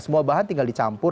semua bahan tinggal dicampur